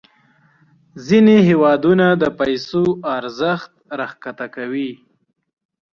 ځینې هیوادونه د پیسو ارزښت راښکته کوي.